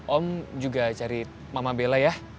om juga cari mama bella ya